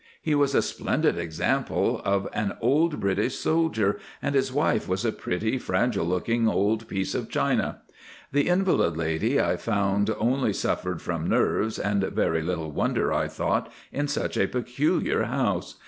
He was a splendid example of an old British soldier, and his wife was a pretty, fragile looking old piece of china. The invalid lady I found only suffered from nerves, and very little wonder, I thought, in such a peculiar house.